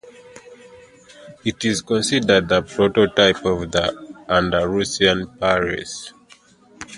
It is considered the prototype of the Andalusian palace.